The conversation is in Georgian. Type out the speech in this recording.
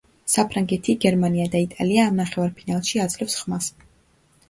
საფრანგეთი, გერმანია და იტალია ამ ნახევარფინალში აძლევს ხმას.